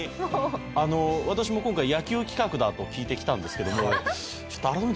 「あの私も今回野球企画だと聞いて来たんですけども」